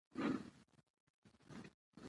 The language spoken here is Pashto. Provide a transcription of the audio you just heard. چې مات شي. په لويديځ کې يې دې ډول کره کتنې ته ووايه.